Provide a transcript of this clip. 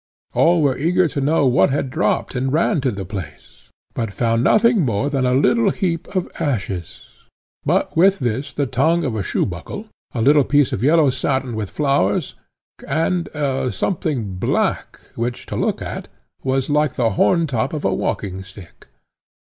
All were eager to know what had dropt, and ran to the place, but found nothing more than a little heap of ashes, but with this the tongue of a shoe buckle, a little piece of yellow satin with flowers, and a something black, which, to look at, was like the horn top of a walking stick.